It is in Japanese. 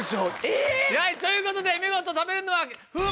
えぇ！ということで見事食べれるのは。